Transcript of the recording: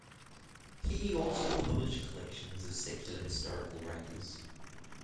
He also published collections of secular historical writers.